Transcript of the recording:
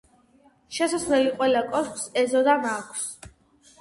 შესასვლელი ყველა კოშკს ეზოდან აქვს.